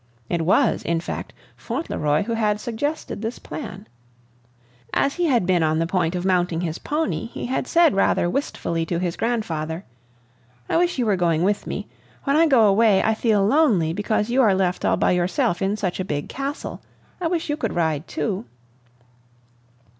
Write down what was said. It was, in fact, Fauntleroy who had suggested this plan. As he had been on the point of mounting his pony, he had said rather wistfully to his grandfather: "I wish you were going with me. When I go away I feel lonely because you are left all by yourself in such a big castle. I wish you could ride too."